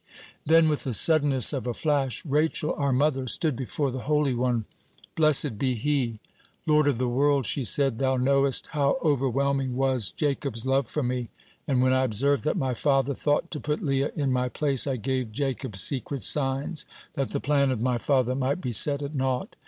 Then, with the suddenness of a flash, Rachel, our mother, stood before the Holy One, blessed be He: "Lord of the world," she said, "Thou knowest how overwhelming was Jacob's love for me, and when I observed that my father thought to put Leah in my place, I gave Jacob secret signs, that the plan of my father might be set at naught.